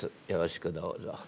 よろしくどうぞ。